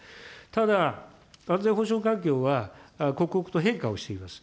ただ、安全保障環境は刻々と変化をしております。